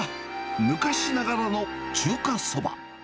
昔ながらの中華そば。